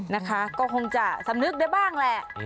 นะคะก็คงจะสำนึกได้บ้างแหละ